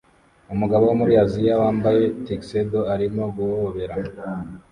Umugabo wo muri Aziya wambaye tuxedo arimo guhobera